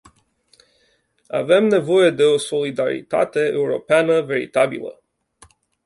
Avem nevoie de o solidaritate europeană veritabilă.